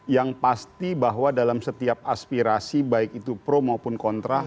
yang pasti bahwa dalam setiap aspirasi baik itu pro maupun kontra